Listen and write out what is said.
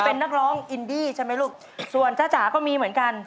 เป็นนักร้องอินดีใช่มั้ยลูก